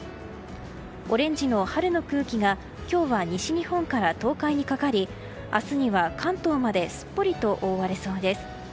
オレンジの春の空気が今日は西日本から東海にかかり明日から関東にすっぽりと覆われそうです。